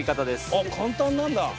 あっ、簡単なんだ。